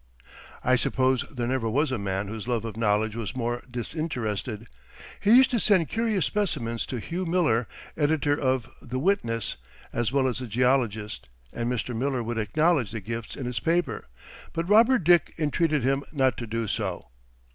I suppose there never was a man whose love of knowledge was more disinterested. He used to send curious specimens to Hugh Miller, editor of "The Witness" as well as a geologist, and Mr. Miller would acknowledge the gifts in his paper; but Robert Dick entreated him not to do so.